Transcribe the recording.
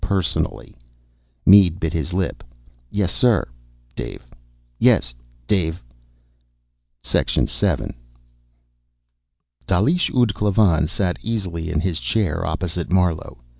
Personally." Mead bit his lip. "Yes, sir." "Dave." "Yes ... Dave." VII. Dalish ud Klavan sat easily in his chair opposite Marlowe.